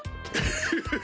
フフフ！